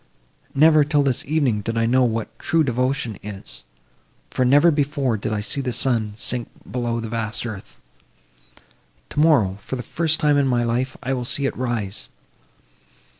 Never, till this evening, did I know what true devotion is; for, never before did I see the sun sink below the vast earth! Tomorrow, for the first time in my life, I will see it rise.